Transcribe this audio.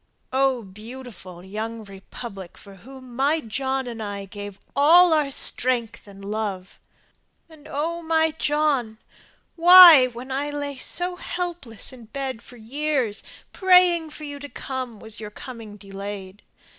O beautiful young republic for whom my John and I Gave all of our strength and love! And O my John! Why, when I lay so helpless in bed for years, Praying for you to come, was your coming delayed?